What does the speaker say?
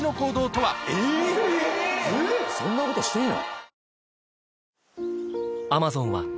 そんなことしていいの？